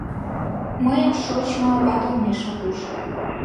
Мыйым шочмо ават олмешак уж.